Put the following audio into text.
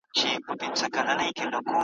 د ویالو په څېر یې ولیدل سیندونه `